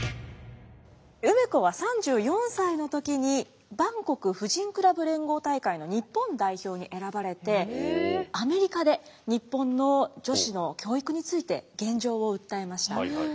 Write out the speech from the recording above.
梅子は３４歳の時に万国婦人クラブ連合大会の日本代表に選ばれてアメリカで日本の女子の教育について現状を訴えました。